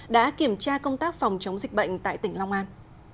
đã kiểm tra công tác phòng chống dịch bệnh tại tỉnh long an